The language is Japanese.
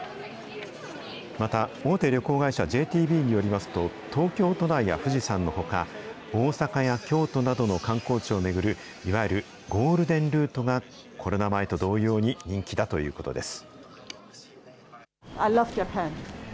また、大手旅行会社、ＪＴＢによりますと、東京都内や富士山のほか、大阪や京都などの観光地を巡る、いわゆるゴールデンルートが、コロナ前と同様に人気だということです。